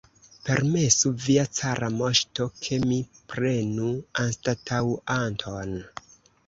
Permesu, via cara moŝto, ke mi prenu anstataŭanton!